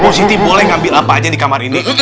positif boleh ngambil apa aja di kamar ini